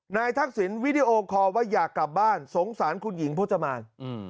ทักษิณวิดีโอคอลว่าอยากกลับบ้านสงสารคุณหญิงพจมาน